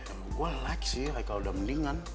emang gue like sih kalau udah mendingan